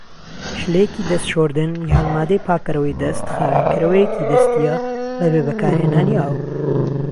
شلەیەکی دەست شۆردن یان مادەی پاکەرەوەی دەست خاوێنکەرەوەیەکی دەستیە بەبێ بەکارهێنانی ئاو.